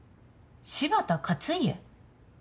柴田勝家？